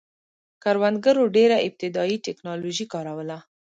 کروندګرو ډېره ابتدايي ټکنالوژي کاروله